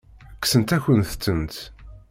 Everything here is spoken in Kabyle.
Kksent-akent-tent.